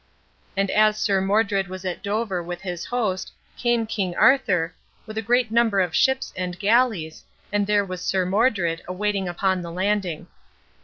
And as Sir Modred was at Dover with his host, came King Arthur, with a great number of ships and galleys, and there was Sir Modred awaiting upon the landing.